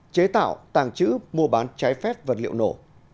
chế tạo tàng trữ mua bán trái phép vật liệu nổ